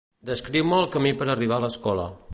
Descriu-me el camí per arribar a l'escola.